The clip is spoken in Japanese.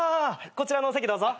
こちらのお席どうぞ。